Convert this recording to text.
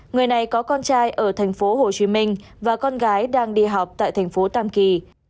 người này có con trai ở thành phố hồ chí minh và con gái đang đi học tại thành phố tam kỳ